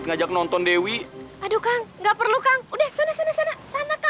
nggak apa apa kok mbak